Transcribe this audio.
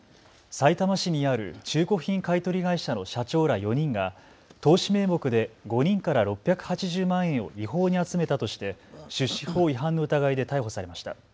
さいたま市にある中古品買い取り会社の社長ら４人が投資名目で５人から６８０万円を違法に集めたとして出資法違反の疑いで逮捕されました。